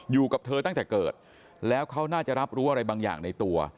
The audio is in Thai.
อยู่กับเธอตั้งแต่เกิดแล้วเขาน่าจะรับรู้อะไรบางอย่างในตัว